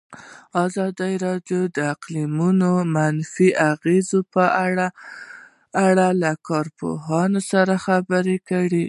ازادي راډیو د اقلیتونه د منفي اغېزو په اړه له کارپوهانو سره خبرې کړي.